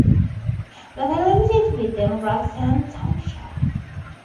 The village is within Roxand Township.